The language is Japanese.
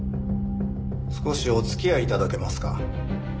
少しお付き合い頂けますか？